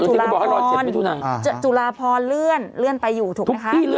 จุฬาพรจุฬาพรเลื่อนเลื่อนไปอยู่ถูกไหมคะ